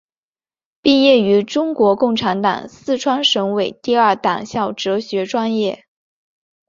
毕业于中国共产党四川省委第二党校哲学专业。